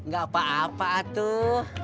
gak apa apa tuh